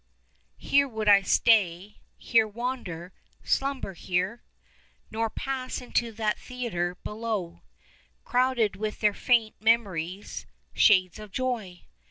Here would I stay, here wander, slumber here, 10 Nor pass into that theatre below Crowded with their faint memories, shades of joy.